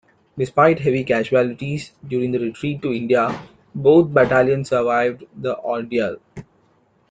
Despite heavy casualties during the retreat to India both battalions survived the ordeal.